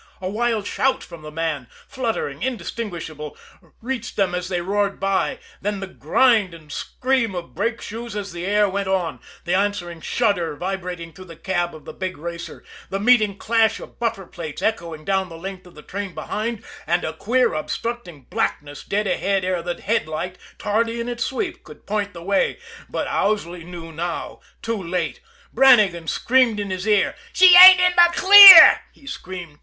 A wild shout from the man, fluttering, indistinguishable, reached them as they roared by then the grind and scream of brake shoes as the "air" went on the answering shudder vibrating through the cab of the big racer the meeting clash of buffer plates echoing down the length of the train behind and a queer obstructing blackness dead ahead ere the headlight, tardy in its sweep, could point the way but Owsley knew now too late. Brannigan screamed in his ear. "She ain't in the clear!" he screamed.